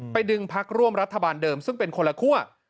ดึงพักร่วมรัฐบาลเดิมซึ่งเป็นคนละคั่ว